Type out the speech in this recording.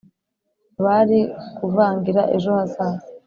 bari kuvangira ejo hazaza.